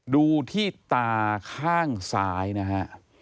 ดูที่ตาข้างซ้ายนะฮะ